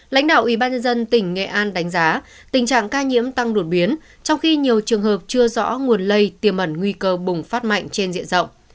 lãnh đạo ubnd tỉnh nghệ an đánh giá tình trạng ca nhiễm tăng đột biến trong khi nhiều trường hợp chưa rõ nguồn lây tiềm ẩn nguy cơ bùng phát mạnh trên diện rộng